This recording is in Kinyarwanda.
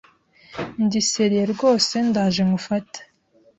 Ndi serieux rwose ndaje nkufate.